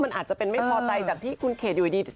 มันอาจจะเป็นไม่พอใจจากที่คุณเขตอยู่ดี